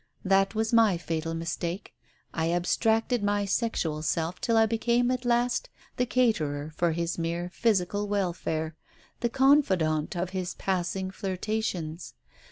That was my fatal mistake, I abstracted my sexual self till I became at last the caterer for his mere physical welfare, the confidante of his passing flirtations.